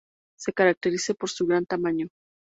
Se caracteriza por su gran tamaño.